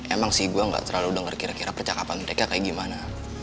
emang sih gue gak terlalu dengar kira kira percakapan mereka kayak gimana